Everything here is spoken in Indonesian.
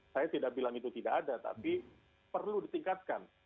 saya tidak bilang itu tidak ada tapi perlu ditingkatkan